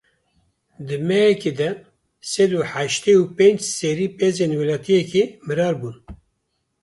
Di mehekê de sed û heştê û pênc serî pezên welatiyekî mirar bûn.